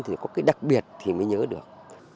thì có cái đặc biệt thì mới nhớ được